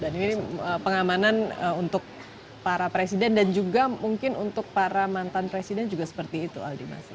dan ini pengamanan untuk para presiden dan juga mungkin untuk para mantan presiden juga seperti itu aldi masih